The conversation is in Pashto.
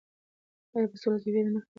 آیا په سوله کې ویره نه خپریږي؟